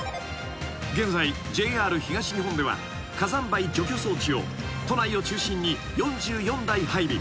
［現在ＪＲ東日本では火山灰除去装置を都内を中心に４４台配備］